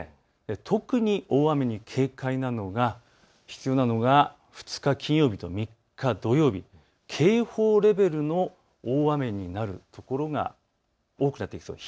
特に大雨に警戒が必要なのが２日、金曜日、１３日、土曜日、警報レベルの大雨になるところが多くなってきそうです。